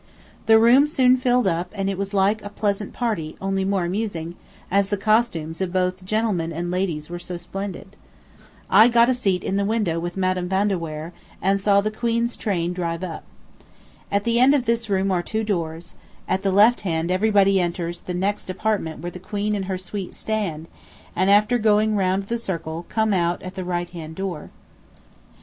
The room soon filled up and it was like a pleasant party, only more amusing, as the costumes of both gentlemen and ladies were so splendid. I got a seat in the window with Madam Van de Weyer and saw the Queen's train drive up. At the end of this room are two doors: at the left hand everybody enters the next apartment where the Queen and her suite stand, and after going round the circle, come out at the right hand door.